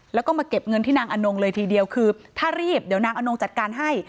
แล้วก็มาเก็บเงินที่นางอนงเลยทีเดียวคือถ้ารีบเดี๋ยวนางอนงจัดการให้